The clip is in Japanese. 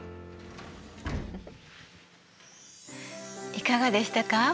いかがでしたか？